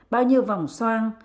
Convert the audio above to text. bao nhiêu vòng soang